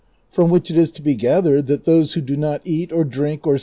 From which it is to be gathered that those who do not eat, or drink, or.